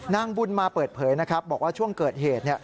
นางบุญมาเปิดเผยนะครับบอกว่าช่วงเกิดเหตุ